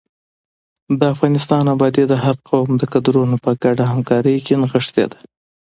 د افغانستان ابادي د هر قوم د کدرونو په ګډه همکارۍ کې نغښتې ده.